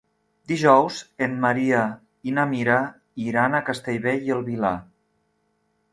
Dijous en Maria i na Mira iran a Castellbell i el Vilar.